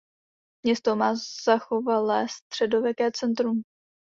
Město má zachovalé středověké centrum.